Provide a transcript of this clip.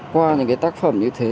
qua những cái tác phẩm như thế